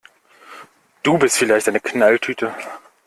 Du bist vielleicht eine Knalltüte!